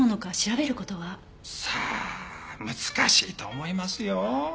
さあ難しいと思いますよ。